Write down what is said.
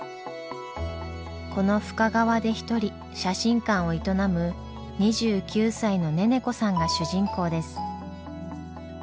この深川で一人写真館を営む２９歳のネネコさんが主人公です。